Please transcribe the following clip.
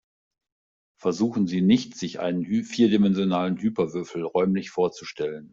Versuchen Sie nicht, sich einen vierdimensionalen Hyperwürfel räumlich vorzustellen.